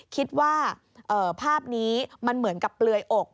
คิดว่าภาพนี้มันเหมือนกับเปลือยอก